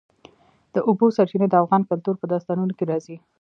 د اوبو سرچینې د افغان کلتور په داستانونو کې راځي.